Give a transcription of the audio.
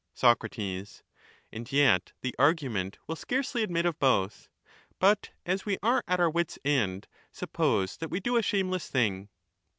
^hat he Sac. And yet the argument will scarcely admit of both, knows. But, as we are at our wits' end, suppose that we do a shame less thing